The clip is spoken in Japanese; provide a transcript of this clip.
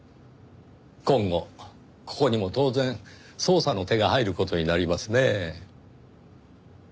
今後ここにも当然捜査の手が入る事になりますねぇ。